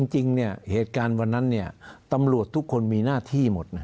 จริงเหตุการณ์วันนั้นตำรวจทุกคนมีหน้าที่หมดนะ